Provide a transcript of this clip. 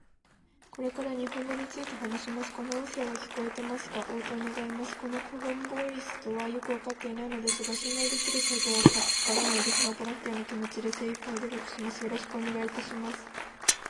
これから日本語について話します。この音声は聞こえてますか？応答願います。この顧問ボイスとはよく分かっていないのですが信頼できるサイトか分からないですが、ボランティアの気持ちで精いっぱい努力します。よろしくお願いいたします。